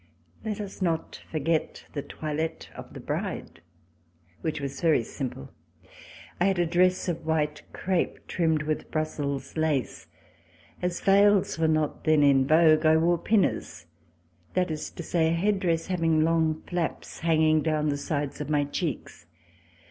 Let us not forget the toilette of the bride, which was very simple. I had a dress of white crepe, trimmed with Brussels lace. As veils were not then in vogue, I wore pinners, that is to say, a head dress having long flaps hanging down the sides of my cheeks.